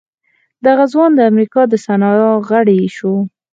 دغه ځوان د امريکا د سنا غړی شو.